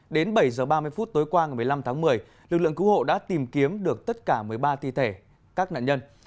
đến bảy h ba mươi phút tối qua ngày một mươi năm tháng một mươi lực lượng cứu hộ đã tìm kiếm được tất cả một mươi ba thi thể các nạn nhân